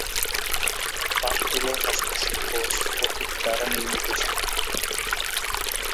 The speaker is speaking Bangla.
পাথুরে হস্তশিল্প স্ফটিক দ্বারা নির্মিত ছিল।